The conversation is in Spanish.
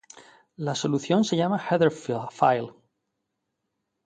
La solución se llama "header file".